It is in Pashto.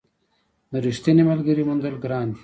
د رښتیني ملګري موندل ګران دي.